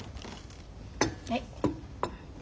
はい。